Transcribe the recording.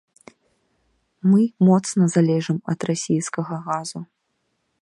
Мы моцна залежым ад расійскага газу.